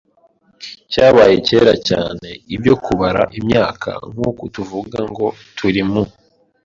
cyabaye kera cyane Ibyo kubara imyaka nk uku tuvuga ngo turi mu